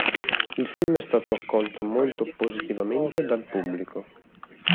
Il film è stato accolto molto positivamente dal pubblico.